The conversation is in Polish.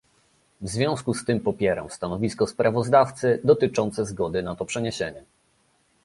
W związku z tym popieram stanowisko sprawozdawcy dotyczące zgody na to przeniesienie